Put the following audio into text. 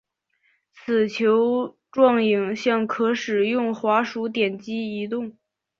此球状影像可使用滑鼠点击移动。